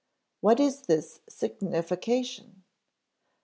What is this signification?